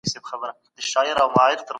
باطل په جنګ کي هیڅکله نه بریالی کېدی.